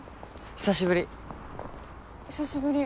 久しぶり。